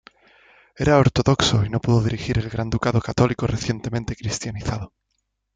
Era ortodoxo y no pudo dirigir el Gran Ducado católico recientemente cristianizado.